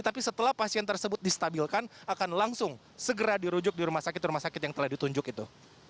tapi setelah pasien tersebut distabilkan akan langsung segera dirujuk di rumah sakit rumah sakit yang telah ditunjuk itu